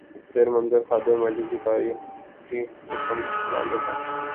پس منظر خادم اعلی کے تاریخی حکم نامے کا۔